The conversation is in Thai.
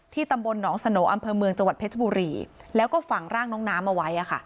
ตำบลหนองสโนอำเภอเมืองจังหวัดเพชรบุรีแล้วก็ฝังร่างน้องน้ำเอาไว้